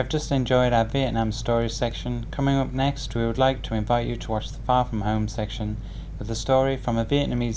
trên con phố garden road